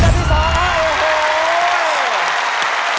อันดับที่๒โอ้โห